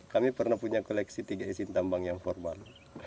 kami pernah punya koleksi tiga izin tambang yang formal